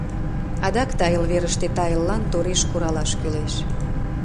Адак тайыл верыште тайыллан тореш куралаш кӱлеш.